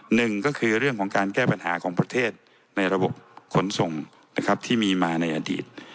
หนึ่งก็คือเรื่องของการแก้ปัญหาของประเทศในระบบขนส่งนะครับที่มีมาในอดีต